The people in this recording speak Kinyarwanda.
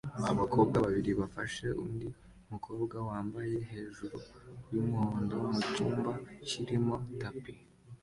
Abakobwa babiri bafashe undi mukobwa wambaye hejuru yumuhondo mucyumba kirimo tapi